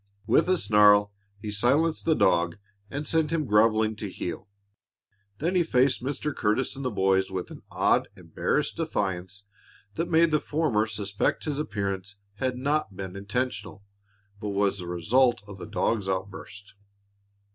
With a snarl he silenced the dog and sent him groveling to heel. Then he faced Mr. Curtis and the boys with an odd, embarrassed defiance that made the former suspect his appearance had not been intentional, but was rather the result of the dog's outburst.